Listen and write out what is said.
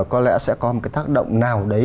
có lẽ sẽ có một tác động nào đấy